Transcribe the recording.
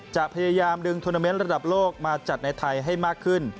จะพยายามดึงทวนาเมนต์ระดับโลกมาจัดในไทยให้มากขึ้น